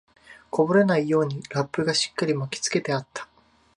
こぼれないようにラップがしっかり巻きつけてあった